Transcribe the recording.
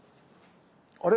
あれ？